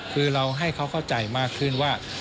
คือเราให้เขาเข้าใจมากขึ้นว่า